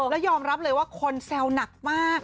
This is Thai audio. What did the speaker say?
แล้วยอมรับเลยว่าคนแซวหนักมาก